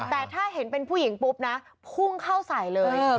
แต่ถ้าเห็นเป็นผู้หญิงปุ๊บนะพุ่งเข้าใส่เลย